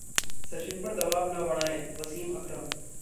सचिन पर दबाव न बढ़ाएं: वसीम अकरम